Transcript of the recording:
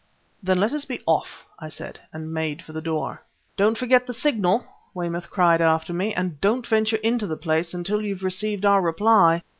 "Then let us be off," I said, and made for the door. "Don't forget the signal!" Weymouth cried after me, "and don't venture into the place until you've received our reply...."